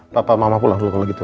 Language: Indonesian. papa mama pulang dulu kalau gitu